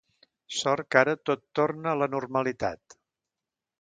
Sort que ara tot torna a la normalitat...